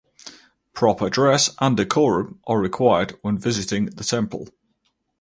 Proper dress and decorum are required when visiting the temple.